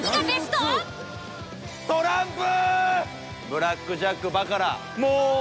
トランプ。